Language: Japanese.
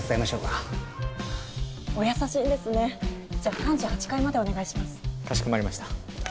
かしこまりました。